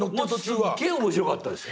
もうすっげぇ面白かったですよ。